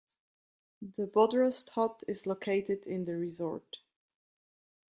The Bodrost hut is located in the resort.